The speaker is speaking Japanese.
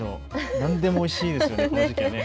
何でもおいしいですよね、この時期は。